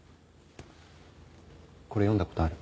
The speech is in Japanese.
これ読んだ事ある？